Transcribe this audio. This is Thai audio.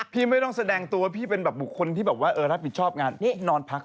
พี่ไม่ต้องแสดงตัวว่าพี่เป็นบางคนที่บางคนรับผิดชอบนอนพักไว้